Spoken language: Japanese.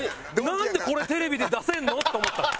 なんでこれテレビで出せるの？って思った。